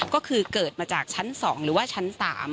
ก็คือเกิดมาจากชั้น๒หรือว่าชั้น๓